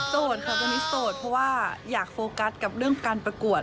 โสดค่ะตอนนี้โสดเพราะว่าอยากโฟกัสกับเรื่องการประกวด